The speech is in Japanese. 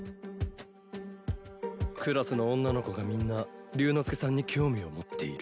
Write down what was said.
クラスの女の子がみんな竜之介さんに興味を持っている。